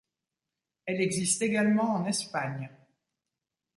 Elle existe également en Espagne.